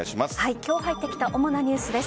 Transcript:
今日入ってきた主なニュースです。